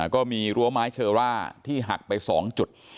ก็มีรั้วไม้เชอร่าที่หักไป๒จุด